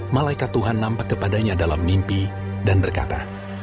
malaikat tuhan nampak kepadanya dalam mimpi dan berkata